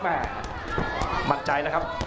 หมาดใจนะครับ